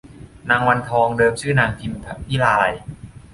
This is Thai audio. นางวันทอง เดิมชื่อนางพิมพิลาไลย